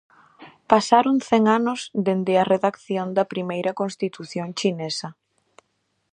Pasaron cen anos dende a redacción da primeira constitución chinesa.